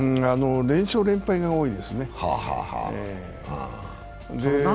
連勝連敗が多いですね。